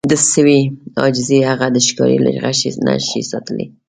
د سویې عاجزي هغه د ښکاري له غشي نه شي ساتلی.